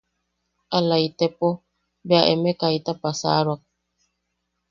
Ala itepo... bea emeʼe kaita pasaroak.